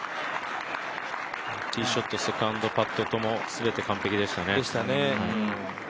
ティーショット、セカンドパットとも全て完璧でしたね。